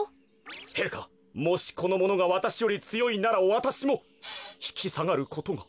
へいかもしこのものがわたしよりつよいならわたしもひきさがることが。